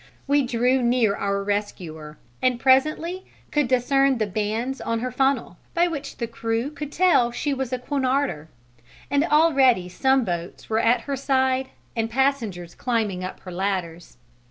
[Illustration: THE CARPATHIA] We drew near our rescuer and presently could discern the bands on her funnel, by which the crew could tell she was a Cunarder; and already some boats were at her side and passengers climbing up her ladders.